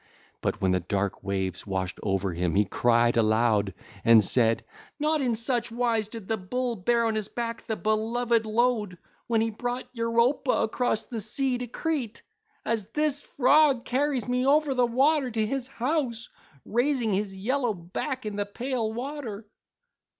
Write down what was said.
But when the dark waves washed over him he cried aloud and said: 'Not in such wise did the bull bear on his back the beloved load, when he brought Europa across the sea to Crete, as this Frog carries me over the water to his house, raising his yellow back in the pale water.